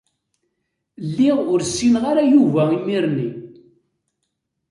Lliɣ ur ssineɣ ara Yuba imir-nni.